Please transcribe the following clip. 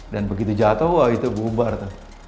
dan begitu jatoh wah itu bubar tuh